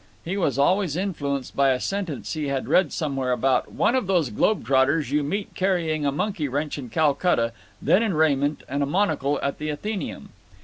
He was always influenced by a sentence he had read somewhere about "one of those globe trotters you meet carrying a monkey wrench in Calcutta, then in raiment and a monocle at the Athenaeum."